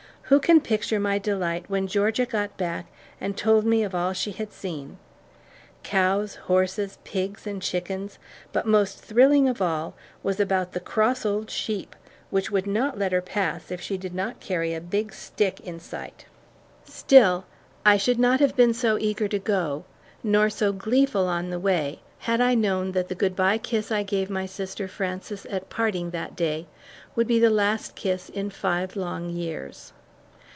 Who can picture my delight when Georgia got back and told me of all she had seen? Cows, horses, pigs, and chickens, but most thrilling of all was about the cross old sheep, which would not let her pass if she did not carry a big stick in sight. Still, I should not have been so eager to go, nor so gleeful on the way, had I known that the "good bye" kiss I gave my sister Frances at parting that day, would be the last kiss in five long years.